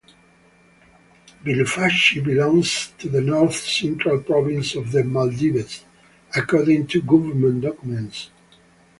Vilufushi belongs to the North Central province of the Maldives, according to government documents.